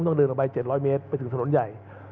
ก็ต้องเดินลงไปเจ็ดร้อยเมตรไปถึงถนนใหญ่